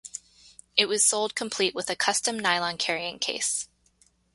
It was sold complete with a custom nylon carrying case.